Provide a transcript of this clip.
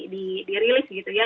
di dirilis gitu ya